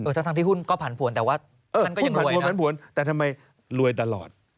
เออทั้งที่หุ้นก็ผันผวนแต่ว่าท่านก็ยังรวยนะเออหุ้นผันผวนผันผวนแต่ทำไมรวยตลอด